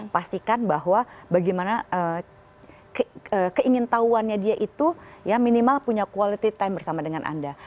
pastikan bahwa bagaimana keingin tahuannya dia itu ya minimal punya quality time bersama dengan anda